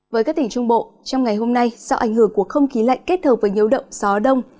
với các tỉnh trung bộ trong ngày hôm nay do ảnh hưởng của không khí lạnh kết hợp với nhiễu động gió đông